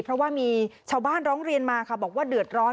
เพราะว่ามีชาวบ้านร้องเรียนมาค่ะบอกว่าเดือดร้อน